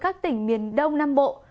các tỉnh miền đông nam bộ